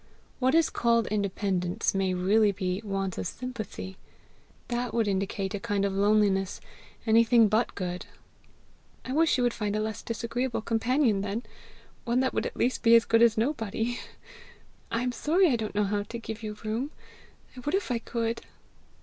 What is called independence may really be want of sympathy. That would indicate a kind of loneliness anything but good." "I wish you would find a less disagreeable companion then! one that would at least be as good as nobody! I am sorry I don't know how to give you room. I would if I could.